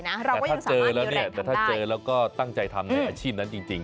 แต่ถ้าเจอแล้วก็ตั้งใจทำอาชีพนั้น